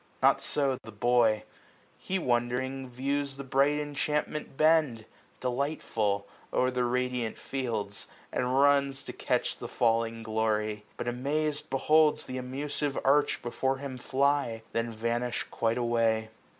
Not so the boy ; He wondering views the bright enchantment bend. Delightful, o'er the radiant fields, and runs To catch the falling glory ; but amazM Beholds th' amusive arch before him fly, 215 Then vanish quite away.